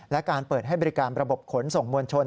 และการเปิดให้บริการระบบขนส่งมวลชน